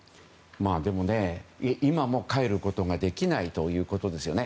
でも、今も帰ることができないということですよね。